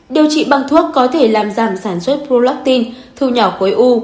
điều trị bằng thuốc có thể làm giảm sản xuất prolactin thư nhỏ khối u